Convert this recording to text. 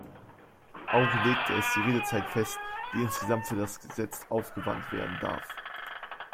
Auch legt es die Redezeit fest, die insgesamt für das Gesetz aufgewandt werden darf.